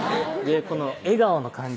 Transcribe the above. この笑顔の感じ